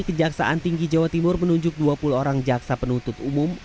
kejaksaan tinggi jawa timur menunjuk dua puluh orang jaksa penuntut umum